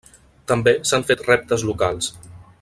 També s'han fet reptes locals.